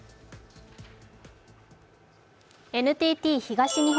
ＮＴＴ東日本